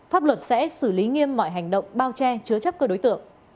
pháp luật sẽ xử lý nghiêm mọi hành động bao che chứa chấp các đối tượng